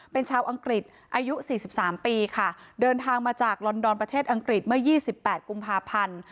เป็นชาวอังกฤษอายุ๔๓ปีค่ะเดินทางมาจากลอนดอนประเทศอังกฤษเมื่อ๒๘กุมภาพันธ์